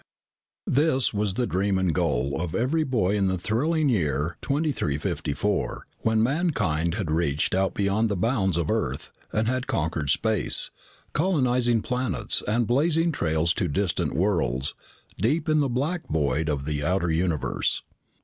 This was the dream and goal of every boy in the thrilling year 2354, when mankind had reached out beyond the bounds of Earth and had conquered space, colonizing planets and blazing trails to distant worlds deep in the black void of the outer universe.